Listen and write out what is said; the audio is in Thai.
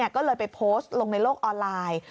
ก็เลยไปโพสต์ลงในโลกออนไลน์